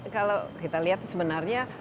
kalau kita lihat sebenarnya